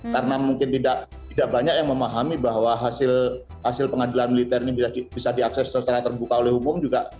karena mungkin tidak banyak yang memahami bahwa hasil pengadilan militer ini bisa diakses secara terbuka oleh hukum juga